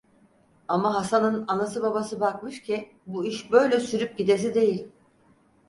Ama Hasan'ın anası bakmış ki bu iş böyle sürüp gidesi değil…